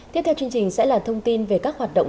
tiếp theo chương trình sẽ là thông tin về các hoạt động